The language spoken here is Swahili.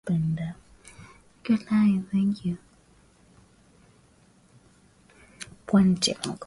Mchezaji yeyote anayetafuta shamba linalotiririka maziwa na asali lazima awe tayari kwa changamoto ngumu